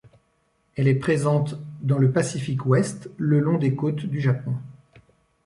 Elle est présente dans le Pacifique Ouest, le long des côtes du Japon.